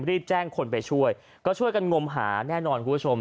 รีบแจ้งคนไปช่วยก็ช่วยกันงมหาแน่นอนคุณผู้ชม